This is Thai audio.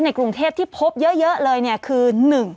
กรุงเทพที่พบเยอะเลยคือ